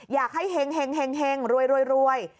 อยากให้เห็งรวย